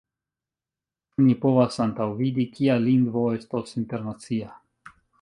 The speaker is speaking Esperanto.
Ĉu ni povas antaŭvidi, kia lingvo estos internacia?